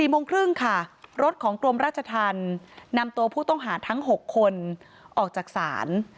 โมงครึ่งค่ะรถของกรมราชธรรมนำตัวผู้ต้องหาทั้ง๖คนออกจากศาล